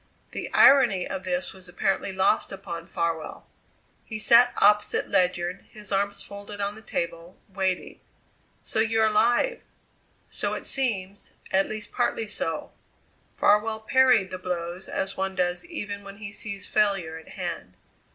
The irony of this was apparently lost upon Farwell. He sat opposite Ledyard, his arms folded on the table, waiting. "So you're alive!" "So it seems at least partly so." Farwell parried the blows as one does even when he sees failure at hand.